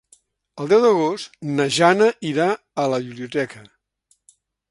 El deu d'agost na Jana irà a la biblioteca.